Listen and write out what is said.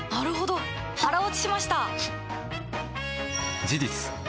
腹落ちしました！